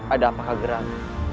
ada apakah gerak